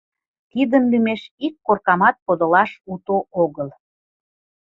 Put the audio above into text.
Тидын лӱмеш ик коркамат подылаш уто огыл.